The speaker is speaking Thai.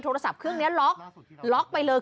โทรศัพท์เครื่องนี้ล็อกล็อกไปเลย